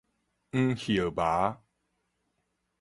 黃葉猫